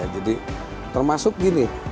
jadi termasuk gini